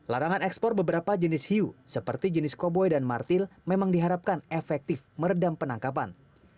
larangan ekspor beberapa jenis hiu seperti jenis koboi dan martil memang diharapkan efektif meredam penangkapan